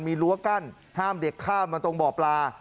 มีรั้วกั้นห้ามเด็กข้ามมาตรงบ่อปลา